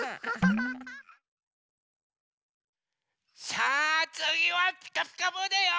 さあつぎは「ピカピカブ！」だよ。